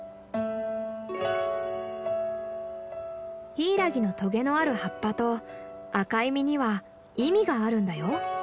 ヒイラギのトゲのある葉っぱと赤い実には意味があるんだよ。